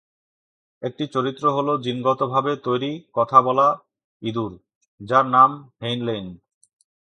একটি চরিত্র হল জিনগত ভাবে তৈরি কথা বলা ইঁদুর, যার নাম হেইনলেইন।